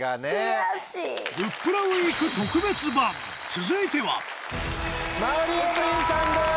続いては馬瓜エブリンさんです！